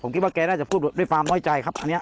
ผมคิดว่าแกน่าจะพูดด้วยความน้อยใจครับอันนี้